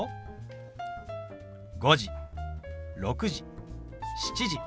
「５時」「６時」「７時」。